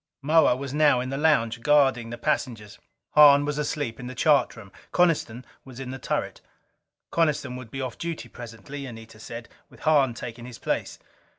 Moa was now in the lounge, guarding the passengers. Hahn was asleep in the chart room. Coniston was in the turret. Coniston would be off duty presently, Anita said, with Hahn taking his place.